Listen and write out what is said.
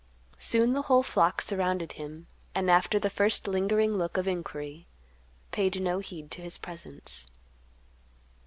Soon the whole flock surrounded him, and, after the first lingering look of inquiry, paid no heed to his presence.